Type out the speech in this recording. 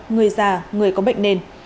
người già người có bệnh nền